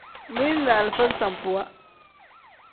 Mili ni alifa sambuwa.